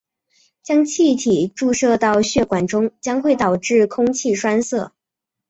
将气体注射到血管中将会导致空气栓塞。